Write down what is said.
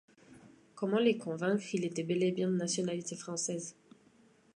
Comment les convaincre qu’il était bel et bien de nationalité française ?